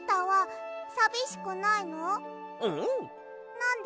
なんで？